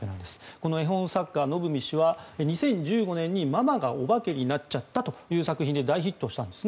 この絵本作家ののぶみ氏は２０１５年に「ママがおばけになっちゃった！」という作品で大ヒットしたんです。